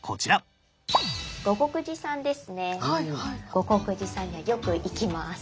護国寺さんにはよく行きます。